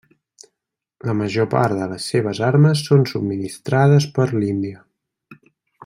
La major part de les seves armes són subministrades per l'Índia.